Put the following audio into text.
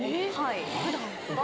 普段？